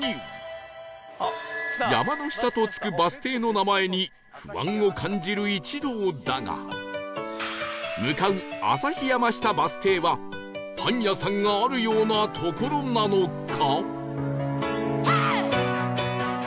山の下と付くバス停の名前に不安を感じる一同だが向かう旭山下バス停はパン屋さんがあるような所なのか？